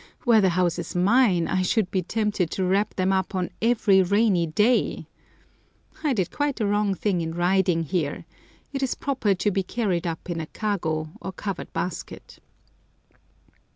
Were the houses mine I should be tempted to wrap them up on every rainy day! I did quite the wrong thing in riding here. It is proper to be carried up in a kago, or covered basket.